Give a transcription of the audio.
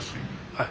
はい。